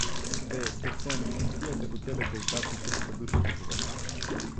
— Бе, серсем, тия като тебе голтаци триста души купуват!